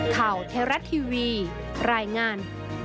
ข่าวเทราะห์ทีวีรายงาน